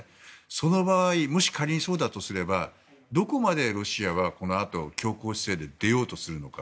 その場合もし仮にそうだとすればどこまでロシアはこのあと強硬姿勢で出ようとするのか。